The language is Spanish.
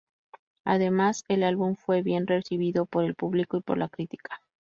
Además, el álbum fue bien recibido por el público y por la crítica.